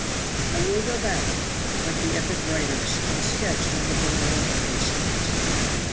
I will go back, like the epic writers, and sketch one of their little garden scenes.